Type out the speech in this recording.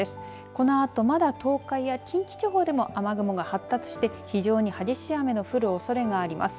このあと、まだ東海や近畿地方でも雨雲が発達して非常に激しい雨の降るおそれがあります。